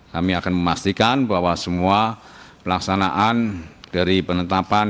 kami akan memastikan bahwa semua pelaksanaan dari penetapan